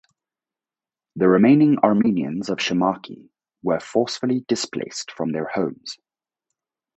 The remaining Armenians of Shamakhi were forcefully displaced from their homes.